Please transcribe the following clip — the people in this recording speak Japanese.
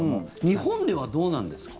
日本ではどうなんですか？